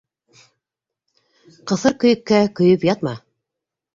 Ҡыҫыр көйөккә көйөп ятма!